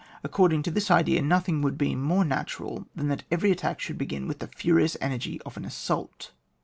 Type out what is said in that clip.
According to this idea, nothing woidd be more natural than that every attack should begin with the furious energy of an assault.